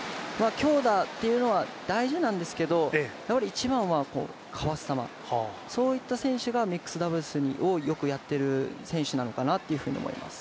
強打というのは大事なんですけど、一番はかわす球、そういった選手がミックスダブルスをよくやってる選手なのかなと思います。